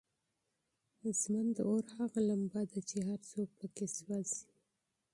ژوند د اور هغه لمبه ده چې هر څوک پکې سوزي.